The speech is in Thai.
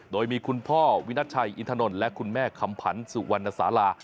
โดยมีคุณพ่อวินัทชัยอินทนนท์และคุณแม่คำผันสุวรรณสารา